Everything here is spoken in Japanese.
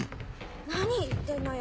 何言ってんのよ。